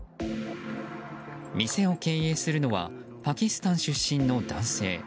店を経営するのはパキスタン出身の男性。